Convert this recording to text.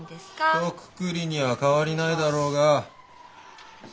ひとくくりには変わりないだろうが。